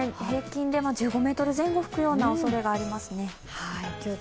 平均で１５メートル前後吹くようなおそれがありますね。